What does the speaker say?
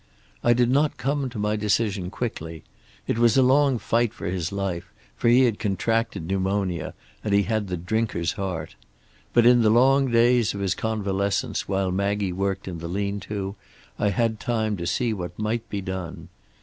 "I did not come to my decision quickly. It was a long fight for his life, for he had contracted pneumonia, and he had the drinker's heart. But in the long days of his convalescence while Maggie worked in the lean to, I had time to see what might be done.